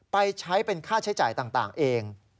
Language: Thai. ไปใช้เป็นค่าใช้จ่ายต่างเอง